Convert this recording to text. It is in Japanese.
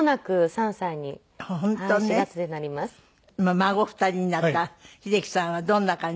孫２人になった英樹さんはどんな感じ？